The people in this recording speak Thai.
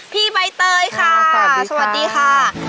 ใบเตยค่ะสวัสดีค่ะ